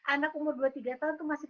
anak umur dua tiga tahun itu masih